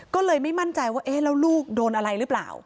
ก็เลยไม่มั่นใจว่าเอ๊ะแล้วลูกโดนอะไรหรือเปล่า